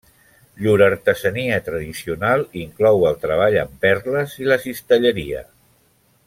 Llur artesania tradicional inclou el treball amb perles i la cistelleria.